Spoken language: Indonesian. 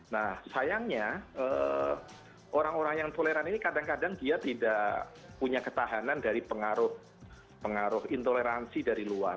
nah sayangnya orang orang yang toleran ini kadang kadang dia tidak punya ketahanan dari pengaruh intoleransi dari luar